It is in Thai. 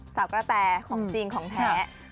กระแตของจริงของแท้